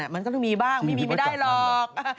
มันก็ต้องมีบ้างไม่มีไม่ได้หรอก